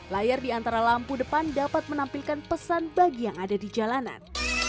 layar di antara lampu depan dapat menampilkan pesan bagi yang ada di jalanan